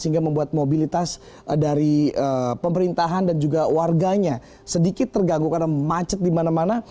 sehingga membuat mobilitas dari pemerintahan dan juga warganya sedikit terganggu karena macet di mana mana